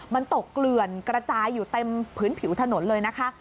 มันตกเกลื่อนกระจายอยู่เต็มพื้นผิวถนนเลยนะคะ